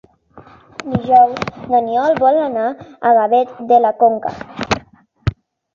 Dijous n'Oriol vol anar a Gavet de la Conca.